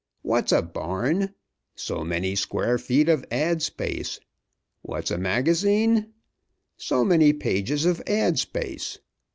What's a barn? So many square feet of ad. space. What's a magazine? So many pages of ad. space.